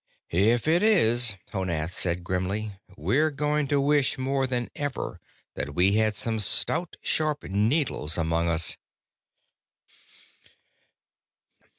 "If it is," Honath said grimly, "we're going to wish more than ever that we had some stout, sharp needles among us."